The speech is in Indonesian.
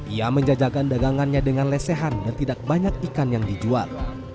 ia menjajakan dagangannya dengan lesehan dan tidak banyak ikan yang dijual